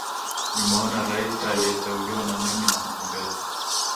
nimeona rais aliyeteuliwa na mimi nampogeza